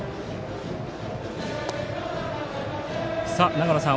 長野さん